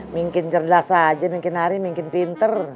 mungkin cerdas saja mungkin hari mungkin pinter